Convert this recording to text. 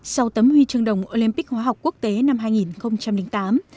sau tấm huy chương đồng olympic hóa học quốc tế năm hai nghìn tám